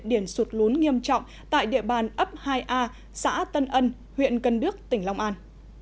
điển sụt lún nghiêm trọng tại địa bàn ấp hai a xã tân ân huyện cân đức tỉnh long an